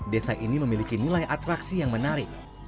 desa ini memiliki nilai atraksi yang menarik